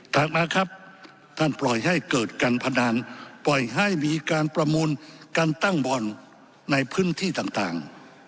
มาครับท่านปล่อยให้เกิดการพนันปล่อยให้มีการประมูลการตั้งบ่อนในพื้นที่ต่าง